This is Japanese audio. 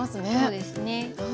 そうですね。